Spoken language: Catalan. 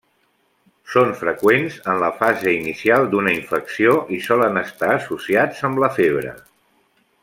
Són freqüents en la fase inicial d'una infecció i solen estar associats amb la febre.